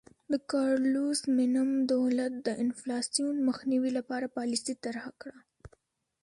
د کارلوس مینم دولت د انفلاسیون مخنیوي لپاره پالیسي طرحه کړه.